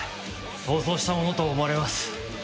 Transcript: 逃走したものと思われます。